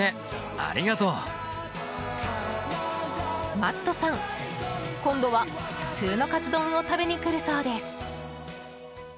マットさん今度は普通のかつ丼を食べに来るそうです。